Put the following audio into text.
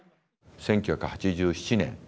１９８７年。